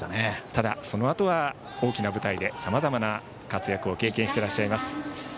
ただ、そのあとは大きな舞台でさまざまな活躍を経験していらっしゃいます。